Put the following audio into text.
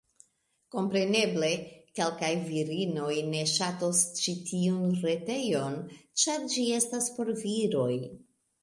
Kompreneble, kelkaj virinoj ne ŝatos ĉi tiun retejon, ĉar ĝi estas por viroj.